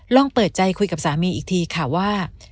ลองเปิดใจคุยกับสามีอีกทีค่ะว่า